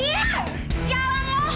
iya sialah lo